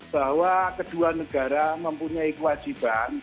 bahwa kedua negara mempunyai kewajiban